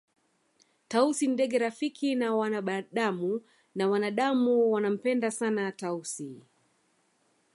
Tausi ni ndege rafiki na wanadamu na wanadamu wanampenda sana Tausi